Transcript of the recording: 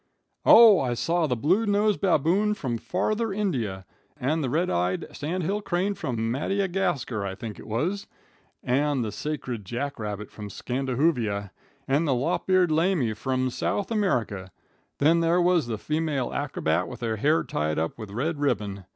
"Oh, I saw the blue nosed baboon from Farther India, and the red eyed sandhill crane from Maddygasker, I think it was, and the sacred Jack rabbit from Scandihoovia, and the lop eared layme from South America. Then there was the female acrobat with her hair tied up with red ribbon.